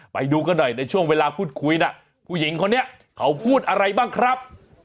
ไปดูกันหน่อยในช่วงเวลาพูดคุยน่ะผู้หญิงคนนี้เขาพูดอะไรบ้างครับ